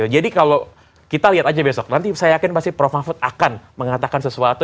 jadi kalau kita lihat aja besok nanti saya yakin pasti prof mahfud akan mengatakan sesuatu